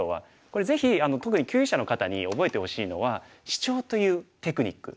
これぜひ特に級位者の方に覚えてほしいのはシチョウというテクニック。